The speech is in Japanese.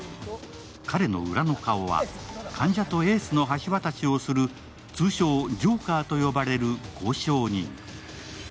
彼の裏の顔は患者とエースの橋渡しをする通称・ジョーカーと呼ばれる交渉人。